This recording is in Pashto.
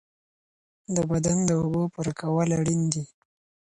د بدن د اوبو پوره کول اړین دي.